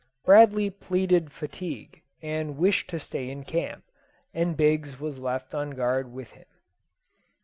Bradley pleaded fatigue, and wished to stay in camp, and Biggs was left on guard with him.